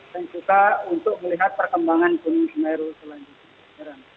dan juga untuk melihat perkembangan gunung semeru selanjutnya